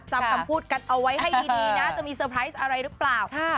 จำคำพูดกันเอาไว้ให้ดีนะจะมีเซอร์ไพรส์อะไรหรือเปล่า